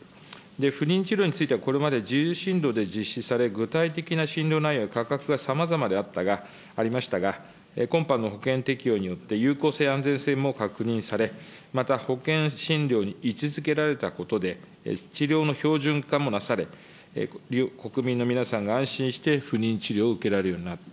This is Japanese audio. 不妊治療については、これまで自由診療で実施され、具体的な診療内容や価格がさまざまでありましたが、今般の保険適用によって有効性、安全性も確認され、また保険診療に位置づけられたことで、治療の標準化もなされ、国民の皆さんが安心して不妊治療を受けられるようになった。